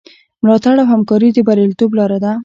ملاتړ او همکاري د بریالیتوب لاره ده.